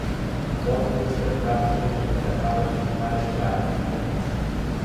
"Vólvenos lembrar que somos empregadas de usar e tirar", din.